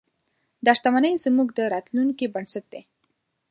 دا شتمنۍ زموږ د راتلونکي بنسټ دی.